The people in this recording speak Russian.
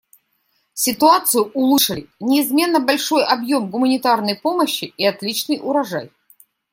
Ситуацию улучшили неизменно большой объем гуманитарной помощи и отличный урожай.